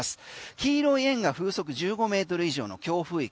黄色い円が風速１５ｍ以上の強風域。